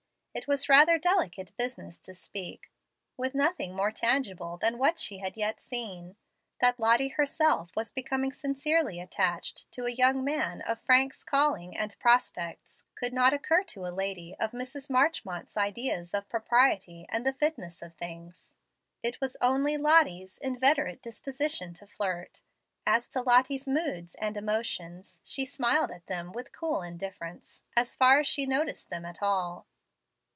It was rather delicate business to speak, with nothing more tangible than what she had yet seen. That Lottie herself was becoming sincerely attached to a young man of Frank's calling and prospects, could not occur to a lady of Mrs. Marchmont's ideas of propriety and the fitness of things. It was only Lottie's "inveterate disposition to flirt." As to Lottie's "moods and emotions," she smiled at them with cool indifference, as far as she noticed them at all.